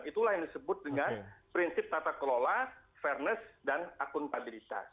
itulah yang disebut dengan prinsip tata kelola fairness dan akuntabilitas